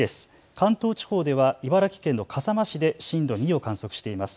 関東地方では茨城県の笠間市で震度２を観測しています。